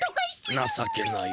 なさけなや。